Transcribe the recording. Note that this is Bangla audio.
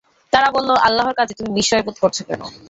তারা বলল, আল্লাহর কাজে তুমি বিস্ময় বোধ করছ?